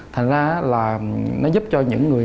thành ra là nó giúp cho những người